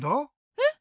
えっ？